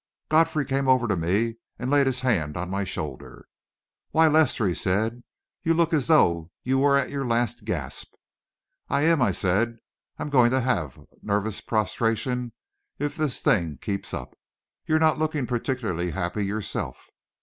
Godfrey came over to me and laid his hand on my shoulder. "Why, Lester," he said, "you look as though you were at your last gasp." "I am," I said. "I'm going to have nervous prostration if this thing keeps up. You're not looking particularly happy yourself."